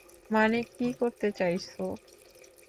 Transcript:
মানে, কি করতে চাইছো?